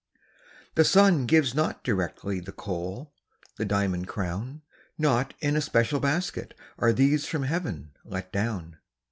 The sun gives not directly The coal, the diamond crown; Not in a special basket Are these from Heaven let down.